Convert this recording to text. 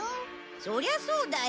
そりゃそうだよ。